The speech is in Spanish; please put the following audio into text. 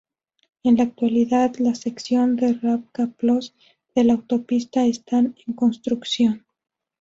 En la actualidad la sección de Ravča–Ploče de la autopista está en construcción.